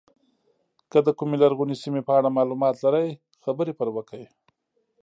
که د کومې لرغونې سیمې په اړه معلومات لرئ خبرې پرې وکړئ.